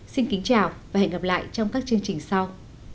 xin kính chào và hẹn gặp lại trong các chương trình sau